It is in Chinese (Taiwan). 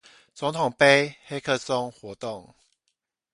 總統盃黑客松活動